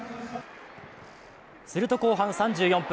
すると後半３４分。